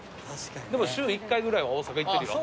でも週１回ぐらいは大阪行ってるよ